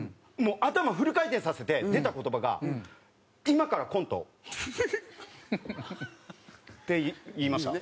頭フル回転させて出た言葉が「今からコント」。って言いました。